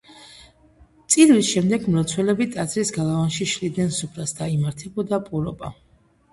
წირვის შემდეგ მლოცველები ტაძრის გალავანში შლიდნენ სუფრას და იმართებოდა პურობა.